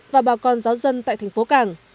và bà con giáo dân tại thành phố cảng